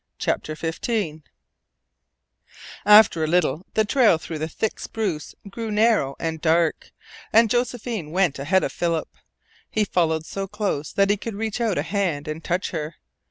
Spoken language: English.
CHAPTER FIFTEEN After a little the trail through the thick spruce grew narrow and dark, and Josephine went ahead of Philip. He followed so close that he could reach out a hand and touch her.